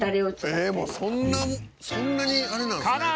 ええもうそんなそんなにあれなんですね。